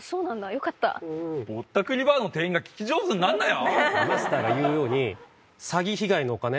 よかったぼったくりバーの店員が聞き上手になんなよマスターが言うように詐欺被害のお金